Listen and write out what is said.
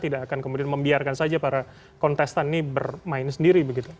tidak akan kemudian membiarkan saja para kontestan ini bermain sendiri begitu